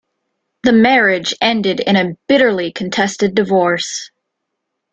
The marriage ended in a bitterly contested divorce.